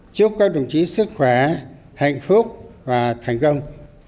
chúc các đồng chí sức khỏe hạnh phúc và thành công